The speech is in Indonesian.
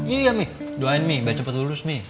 iya mi doain mi baca petulus mi